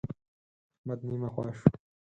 احمد نيمه خوا شو.